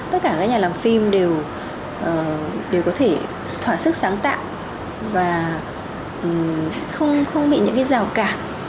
tất cả các nhà làm phim đều có thể thỏa sức sáng tạo và không bị những rào cản